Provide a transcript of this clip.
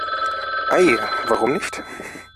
Ei, warum nicht?